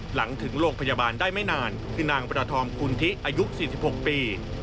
หลังถึงโรงพยาบาลได้ไม่นานคือนางประธอมกุลทิอายุ๔๖ปี